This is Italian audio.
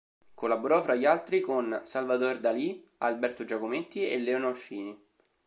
Collaborò fra gli altri con Salvador Dalí, Alberto Giacometti e Leonor Fini.